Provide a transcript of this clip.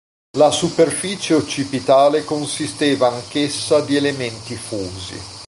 La superficie occipitale consisteva anch'essa di elementi fusi.